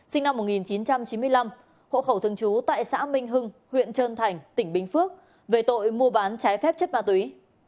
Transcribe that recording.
sinh năm một nghìn chín trăm chín mươi năm hộ khẩu thường trú tại xã minh hưng huyện trơn thành tỉnh bình phước về tội mua bán trái phép chất ma túy